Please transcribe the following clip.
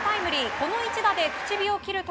この一打で口火を切ると。